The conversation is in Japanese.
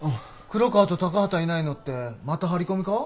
黒川と高畑いないのってまた張り込みか？